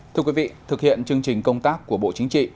thưa quý vị thực hiện chương trình công tác của bộ chính trị